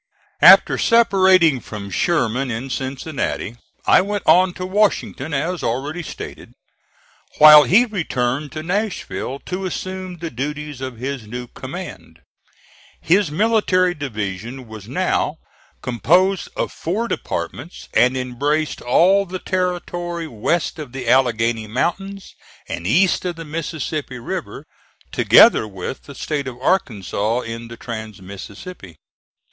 After separating from Sherman in Cincinnati I went on to Washington, as already stated, while he returned to Nashville to assume the duties of his new command. His military division was now composed of four departments and embraced all the territory west of the Alleghany Mountains and east of the Mississippi River, together with the State of Arkansas in the trans Mississippi.